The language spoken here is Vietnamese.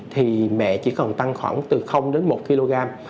thì mẹ chỉ còn tăng khoảng từ đến một kg